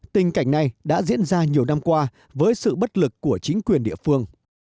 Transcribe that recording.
tình cảnh này đã diễn ra nhiều năm qua với sự bất lực của chính quyền địa phương